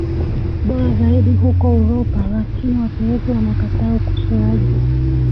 bora zaidi huko Uropa Lakini Waturuki wanakataa ukosoaji